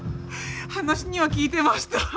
話には聞いてました。